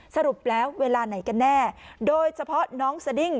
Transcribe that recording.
สรุปแล้วเวลาไหนกันแน่โดยเฉพาะน้องสดิ้ง